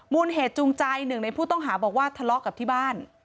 มูลเหตุจูงใจหนึ่งในผู้ต้องหาบอกว่าทะเลาะกับที่บ้าน